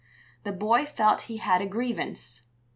The boy felt he had a grievance.